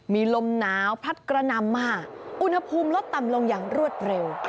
มีลมหนาวพัดกระนำมาอุณหภูมิลดต่ำลงอย่างรวดเร็ว